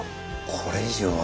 これ以上は。